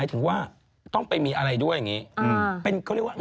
คือเขาก็เป็นกรุ๊ป